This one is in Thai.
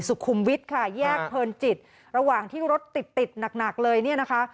สุขุมวิทย์ค่ะแยกเพลินจิตระหว่างที่รถติดติดหนักหนักเลยเนี่ยนะคะ